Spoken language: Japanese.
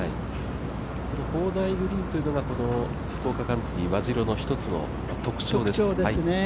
砲台グリーンというのが福岡カンツリー和白の特徴です。